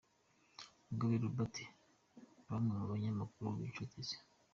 Mugabe Robert nabamwe mu banyamakuru binshuti ze